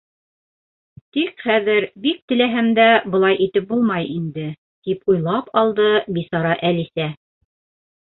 —Тик хәҙер бик теләһәм дә былай итеп булмай инде! —тип уйлап алды бисара Әлисә.